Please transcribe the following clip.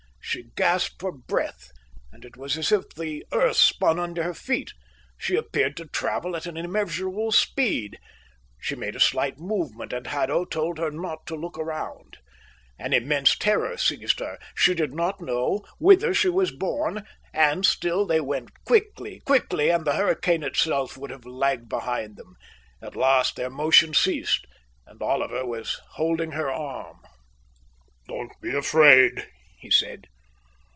She gasped for breath, and it was as if the earth spun under her feet. She appeared to travel at an immeasurable speed. She made a slight movement, and Haddo told her not to look round. An immense terror seized her. She did not know whither she was borne, and still they went quickly, quickly; and the hurricane itself would have lagged behind them. At last their motion ceased; and Oliver was holding her arm. "Don't be afraid," he said.